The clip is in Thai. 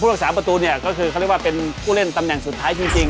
ผู้รักษาประตูก็คือเป็นผู้เล่นตำแหน่งสุดท้ายจริง